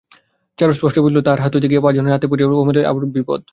চারু স্পষ্টই বুঝিল, তাহার হাত হইতে গিয়া পাঁচজনের হাতে পড়িয়া অমলের সমূহ বিপদ।